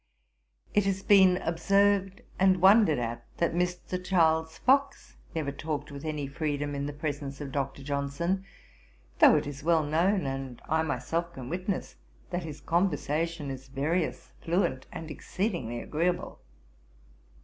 It has been observed and wondered at, that Mr. Charles Fox never talked with any freedom in the presence of Dr. Johnson, though it is well known, and I myself can witness, that his conversation is various, fluent, and exceedingly agreeable.